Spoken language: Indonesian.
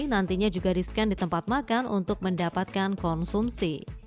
nantinya juga di scan di tempat makan untuk mendapatkan konsumsi